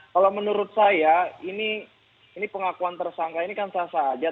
kalau menurut saya ini pengakuan tersangka ini kan sah sah saja